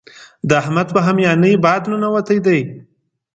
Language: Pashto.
د احمد په هميانۍ باد ننوتی دی.